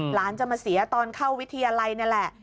หลานจะมาเสียตอนเข้าวิทยาลัยนี่แหละ